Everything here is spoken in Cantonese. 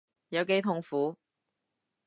有幾痛苦